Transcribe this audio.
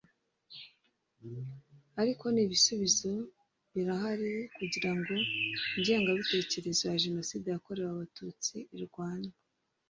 ariko n’ibisubizo birahari kugira ngo ingengabitekerezo ya Jenoside yakorewe Abatutsi irwanywe